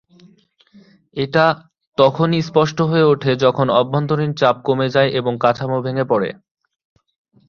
এটা তখনই স্পষ্ট হয়ে ওঠে, যখন অভ্যন্তরীণ চাপ কমে যায় এবং কাঠামো ভেঙে পড়ে।